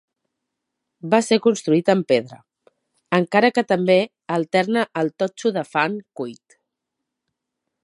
Va ser construït en pedra, encara que també alterna el totxo de fang cuit.